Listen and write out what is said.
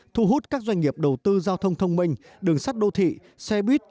thu hút các doanh nghiệp đầu tư giao thông thông minh đường sắt đô thị xe buýt